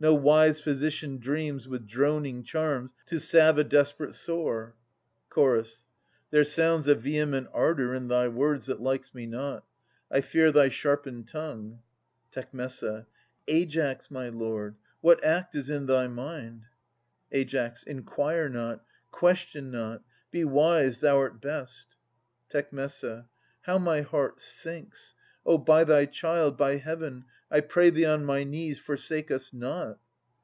No wise physician dreams With droning charms to salve a desperate sore. Ch. There sounds a vehement ardour in thy words That likes me not. I fear thy sharpened tongue. Tec. Aias, my lord, what act is in thy mind? Ai. Inquire not, question not; be wise, thou'rt best. Tec. How my heart sinks! Oh, by thy child, by Heaven, I pray thee on my knees, forsake us not